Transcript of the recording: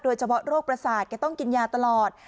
เฉพาะโรคประสาทแกต้องกินยาตลอด